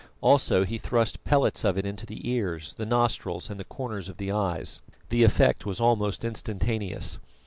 Also he thrust pellets of it into the ears, the nostrils, and the corners of the eyes. The effect was almost instantaneous.